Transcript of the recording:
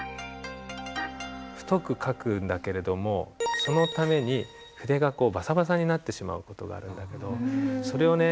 太く書くんだけれどもそのために筆がこうバサバサになってしまう事があるんだけどそれをね